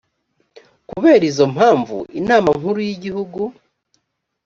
kubera izo mpamvu inama nkuru y igihugu